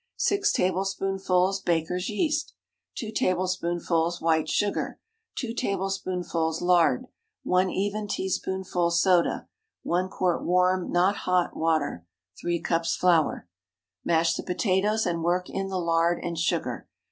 6 tablespoonfuls baker's yeast. 2 tablespoonfuls white sugar. 2 tablespoonfuls lard. 1 even teaspoonful soda. 1 quart warm—not hot—water. 3 cups flour. Mash the potatoes, and work in the lard and sugar.